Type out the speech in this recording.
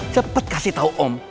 cepet kasih tau om